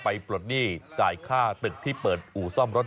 ปลดหนี้จ่ายค่าตึกที่เปิดอู่ซ่อมรถ